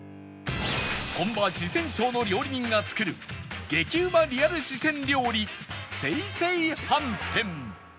本場四川省の料理人が作る激うまリアル四川料理晴々飯店